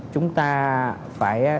chúng ta phải